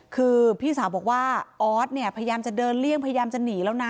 คือพี่สาวบอกว่าออสเนี่ยพยายามจะเดินเลี่ยงพยายามจะหนีแล้วนะ